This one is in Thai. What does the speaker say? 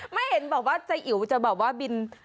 ไม่เห็นบอกว่าใจอิ๋วจะแบบว่าบิน